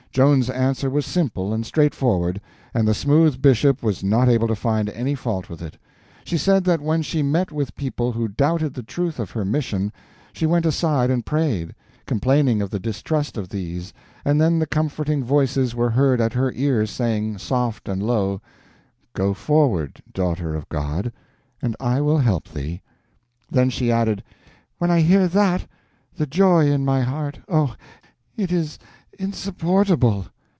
Joan's answer was simple and straightforward, and the smooth Bishop was not able to find any fault with it. She said that when she met with people who doubted the truth of her mission she went aside and prayed, complaining of the distrust of these, and then the comforting Voices were heard at her ear saying, soft and low, "Go forward, Daughter of God, and I will help thee." Then she added, "When I hear that, the joy in my heart, oh, it is insupportable!"